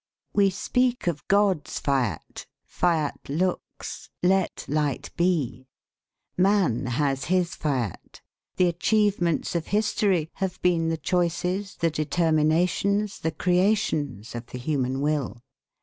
We speak of God's fiat "Fiat lux, Let light be." Man has his fiat. The achievements of history have been the choices, the determinations, the creations, of the human will.